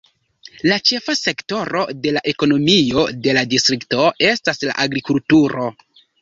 La ĉefa sektoro de la ekonomio de la distrikto estas la agrikulturo.